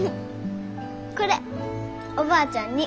これおばあちゃんに。